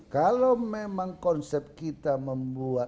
kalau memang konsep kita membuat penjahat itu